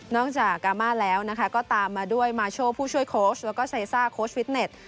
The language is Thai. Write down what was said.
จากกามาแล้วนะคะก็ตามมาด้วยมาโชผู้ช่วยโค้ชแล้วก็ไซซ่าโค้ชฟิตเน็ต